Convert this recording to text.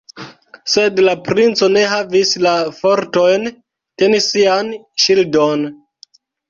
Sed la princo ne havis la fortojn teni sian ŝildon.